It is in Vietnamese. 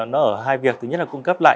nó ở hai việc thứ nhất là cung cấp lại